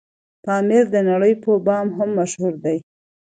پامير دنړۍ په بام هم مشهور دی